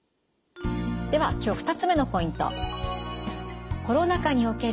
では今日２つ目のポイント。